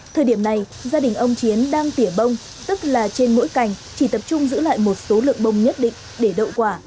thời điểm này gia đình ông chiến đang tỉa bông tức là trên mỗi cành chỉ tập trung giữ lại một số lượng bông nhất định để đậu quả